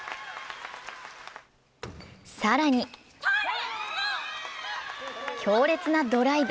更に強烈なドライブ。